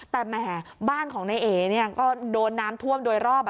แต่แหมบ้านของนายเอ๋ก็โดนน้ำท่วมโดยรอบ